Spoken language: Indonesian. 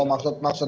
oh maksudnya ke sana